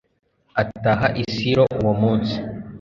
ataha i silo uwo munsi